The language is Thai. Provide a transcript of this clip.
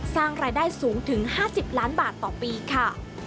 สร้างรายได้สูงถึง๕๐ล้านบาทต่อปีค่ะ